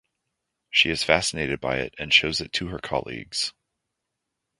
She is fascinated by it and shows it to her colleagues.